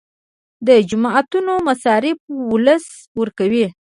د جوماتونو مصارف ولس ورکوي